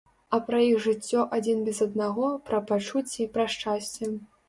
А пра іх жыццё адзін без аднаго, пра пачуцці, пра шчасце.